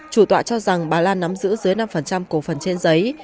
chủ tọa cho rằng bà lan nắm giữ dưới năm cổ phần trên giấy